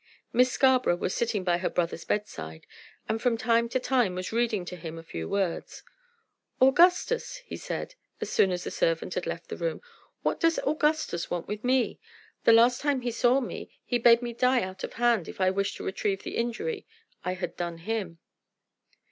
Miss Scarborough was sitting by her brother's bedside, and from time to time was reading to him a few words. "Augustus!" he said, as soon as the servant had left the room. "What does Augustus want with me? The last time he saw me he bade me die out of hand if I wished to retrieve the injury I had done him."